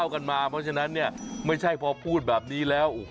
เพราะฉะนั้นเนี่ยไม่ใช่พอพูดแบบนี้แล้ว